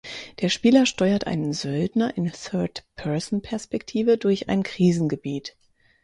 Der Spieler steuert einen Söldner in Third-Person-Perspektive durch ein Krisengebiet.